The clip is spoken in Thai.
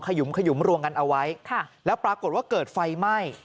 ยุมขยุมรวมกันเอาไว้แล้วปรากฏว่าเกิดไฟไหม้